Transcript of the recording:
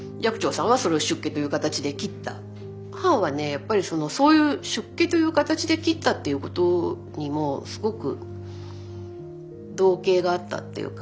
やっぱりそのそういう出家という形で切ったっていうことにもすごく憧憬があったっていうか。